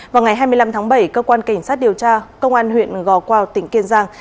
vào ngày hai mươi năm tháng bảy cơ quan cảnh sát điều tra công an huyện gò quao tỉnh kiên giang